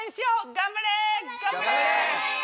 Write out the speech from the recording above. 頑張れ！